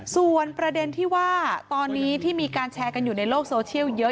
ส่วนประเด็นที่ว่าตอนนี้ที่มีการแชร์กันอยู่ในโลกโซเชียลเยอะ